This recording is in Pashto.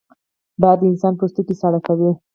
باد د انسان پوستکی ساړه کوي